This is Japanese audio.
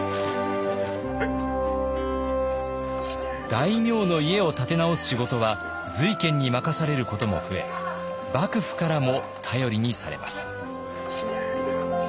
大名の家を建て直す仕事は瑞賢に任されることも増え幕府からも頼りにされます。